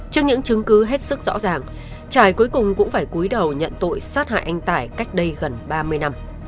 trước những chứng cứ hết sức rõ ràng trải cuối cùng cũng phải cuối đầu nhận tội sát hại anh tải cách đây gần ba mươi năm